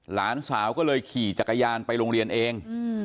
หลานสาวก็เลยขี่จักรยานไปโรงเรียนเอง